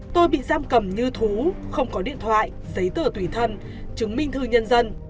tôi bị giam cầm như thú không có điện thoại giấy tờ tùy thân chứng minh thư nhân dân